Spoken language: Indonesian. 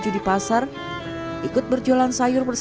jadi jangan pernah ambil jalan yang pintas